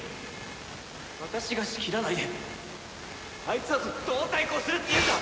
私が仕切らないであいつらとどう対抗するっていうんだ！